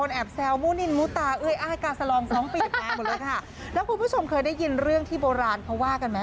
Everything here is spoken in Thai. แล้วคุณผู้ชมเคยได้ยินเรื่องที่โบราณเพราะว่ากันมั้ย